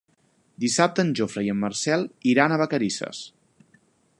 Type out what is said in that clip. Dissabte en Jofre i en Marcel iran a Vacarisses.